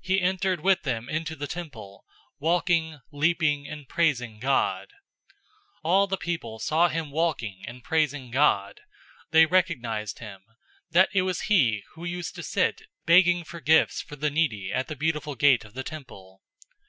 He entered with them into the temple, walking, leaping, and praising God. 003:009 All the people saw him walking and praising God. 003:010 They recognized him, that it was he who used to sit begging for gifts for the needy at the Beautiful Gate of the temple.